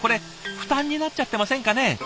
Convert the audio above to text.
負担になっちゃってませんかね？